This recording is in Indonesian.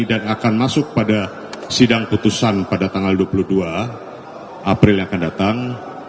dan akan masuk pada sidang keputusan pada tanggal dua puluh dua april yang akan datang